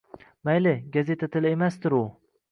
Mayli, gazeta tili emasdir u.